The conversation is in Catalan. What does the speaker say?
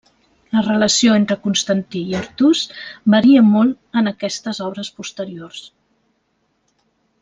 La relació entre Constantí i Artús varia molt en aquestes obres posteriors.